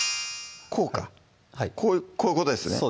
こうかこういうことですね